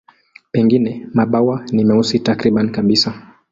Pengine mabawa ni meusi takriban kabisa.